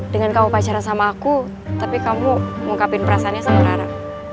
dengan kamu pacar sama aku tapi kamu mengungkapin perasaannya sama rara